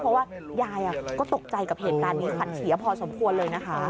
เพราะว่ายายก็ตกใจกับเหตุการณ์นี้ขวัญเสียพอสมควรเลยนะคะ